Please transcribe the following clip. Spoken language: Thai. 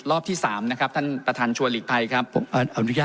รอบที่สามนะครับท่านประธานชัวร์หลีกไทยครับผมเอาอนุญาตครับ